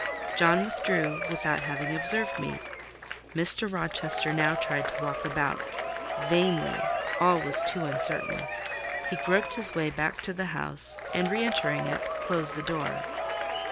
John withdrew without having observed me. Mr. Rochester now tried to walk about: vainly,—all was too uncertain. He groped his way back to the house, and, re entering it, closed the door.